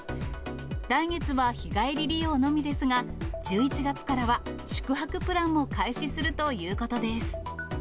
来月は日帰り利用のみですが、１１月からは宿泊プランも開始するということです。